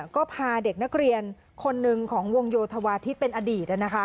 ก็พาเด็กนักเรียนคนหนึ่งของวงโยธวาทิศเป็นอดีต